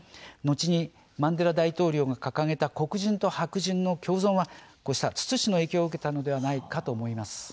後にマンデラ大統領が掲げた黒人と白人の共存はこうしたツツ氏の影響を受けたのではないかと思います。